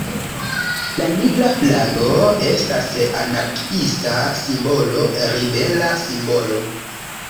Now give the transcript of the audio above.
La Nigra Flago estas anarkiista simbolo, ribela simbolo.